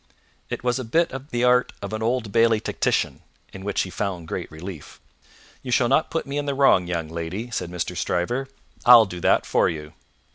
It was a bit of the art of an Old Bailey tactician, in which he found great relief. "You shall not put me in the wrong, young lady," said Mr. Stryver; "I'll do that for you."